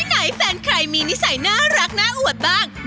ไหนแฟนใครมีนิสัยน่ารักน่าอวดบ้าง